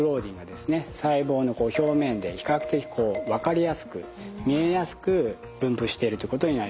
細胞の表面で比較的分かりやすく見えやすく分布してるということになります。